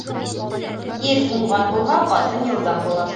Ир уңған булһа, ҡатын йылдам була.